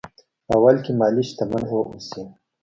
اول کې مالي شتمن واوسي.